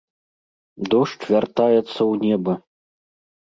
Дождж вяртаецца ў неба.